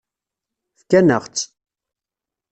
Fkan-aɣ-tt.